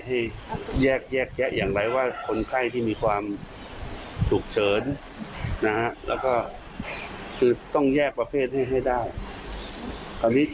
ให้แยกอย่างไรว่าคนไข้ที่มีความถูกเฉินแล้วก็คือต้องแยกประเภทให้ได้